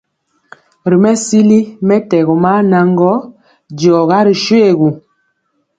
Ri mesili mɛtɛgɔ maa naŋgɔ, diɔga ri shoégu.